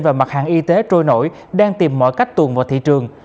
và mặt hàng y tế trôi nổi đang tìm mọi cách tuồn vào thị trường